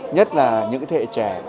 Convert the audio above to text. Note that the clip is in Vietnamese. nhất là những cái thế hệ trẻ